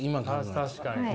確かにな。